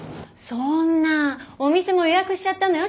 そんなお店も予約しちゃったのよ？